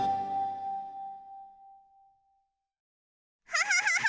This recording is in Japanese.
ハハハハ！